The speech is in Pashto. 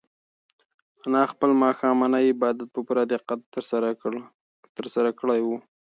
انا خپل ماښامنی عبادت په پوره دقت ترسره کړی و.